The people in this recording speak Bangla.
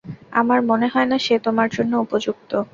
আমার মনে হয় না সে তোমার জন্য উপযুক্ত।